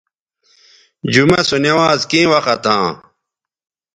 جمعہ سو نوانز کیں وخت ھاں